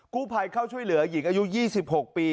ผู้ภัยเข้าช่วยเหลือหญิงอายุ๒๖ปี